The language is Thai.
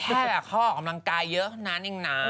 แค่เพราะเขาออกกำลังกายเยอะเพราะนั้นนี่นา